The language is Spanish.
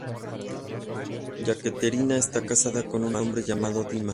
Yekaterina está casada con un hombre llamado Dima.